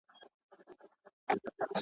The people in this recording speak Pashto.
چي په وینو یې د ورور سره وي لاسونه.